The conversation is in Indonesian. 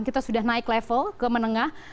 kita sudah naik level ke menengah